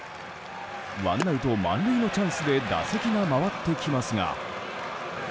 ワンアウト満塁のチャンスで打席が回ってきますが。